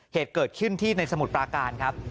เหตุเกิดขึ้นที่ในสมุทรปราการครับ